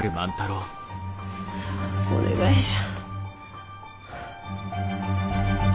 お願いじゃ。